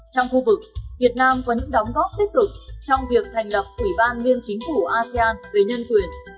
trong khu vực việt nam có những đóng góp tích cực trong việc thành lập ủy ban liên chính phủ asean về nhân quyền